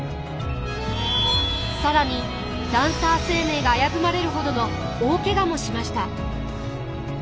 更にダンサー生命が危ぶまれるほどの大けがもしました。